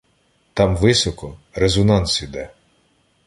Там високо — резонанс іде.